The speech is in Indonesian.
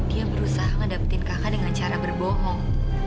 dia berusaha ngedapetin kakak dengan cara berbohong